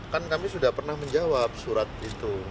kan kami sudah pernah menjawab surat itu